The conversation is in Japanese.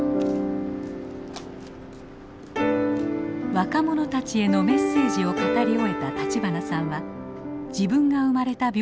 若者たちへのメッセージを語り終えた立花さんは自分が生まれた病院の跡を再び訪ねました。